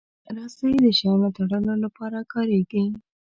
رسۍ د شیانو تړلو لپاره کارېږي.